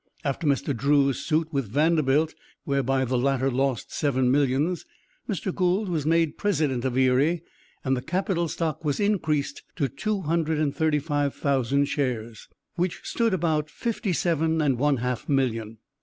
After Mr. Drew's suit with Vanderbilt, whereby the latter lost seven millions, Mr. Gould was made President of Erie, and the capital stock was increased to two hundred and thirty five thousand shares, which stood about fifty seven and one half million.